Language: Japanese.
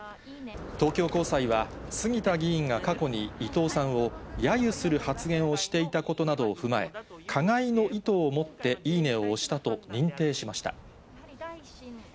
東京高裁は、杉田議員が過去に、伊藤さんをやゆする発言をしていたことなどを踏まえ、加害の意図をもっていいねを押したと認定しました。